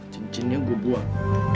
cincinnya gue buang